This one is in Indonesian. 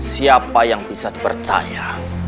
siapa yang bisa dipercaya